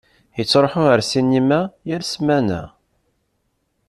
Yettṛuḥu ar ssinima yal ssmana.